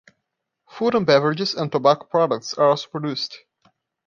Food and beverages and tobacco products also produced.